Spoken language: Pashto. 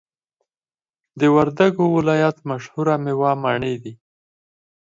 د وردګو ولایت مشهوره میوه مڼی دی